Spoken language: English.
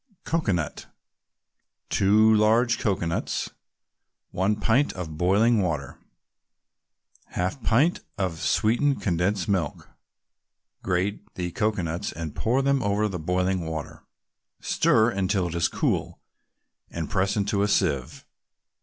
COCOANUT 2 large cocoanuts 1 pint of boiling water 1/2 pint can of sweetened condensed milk Grate the cocoanuts and pour over them the boiling water. Stir until it is cool, and press in a sieve.